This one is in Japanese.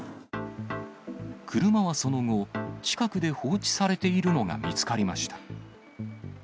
車はその後、近くで放置されているのが見つかりました。